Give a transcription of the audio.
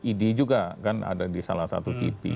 tadi idi juga kan ada di salah satu titik